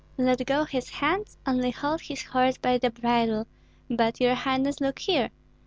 Let go his hands, only hold his horse by the bridle; but, your highness, look here!